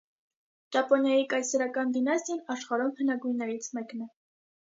Ճապոնիայի կայսերական դինաստիան աշխարհում հնագույններից մեկն է։